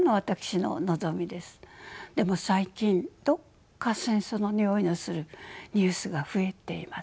でも最近どこか戦争のにおいのするニュースが増えています。